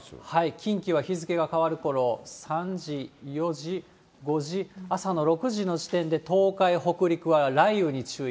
近畿は日付が変わるころ、３時、４時、５時、朝の６時の時点で東海、北陸は雷雨に注意。